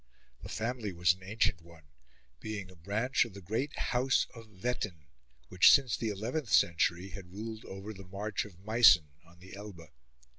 The family was an ancient one, being a branch of the great House of Wettin, which since the eleventh century had ruled over the March of Meissen on the Elbe.